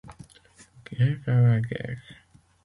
Guerre à la Guerre!